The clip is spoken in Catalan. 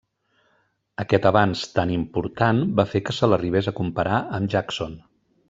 Aquest avanç tan important va fer que se l'arribés a comparar amb Jackson.